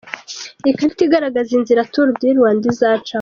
Ikarita igaragaza inzira Tour du Rwanda izacamo.